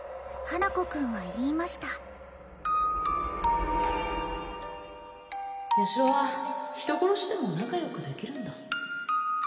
花子くんは言いましたヤシロは人殺しでも仲良くできるんだ